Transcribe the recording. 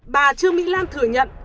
bà trương mỹ lan thừa nhận